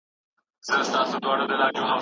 تاریخ باید له نظره تیر سي.